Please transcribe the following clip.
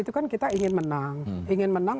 itu kan kita ingin menang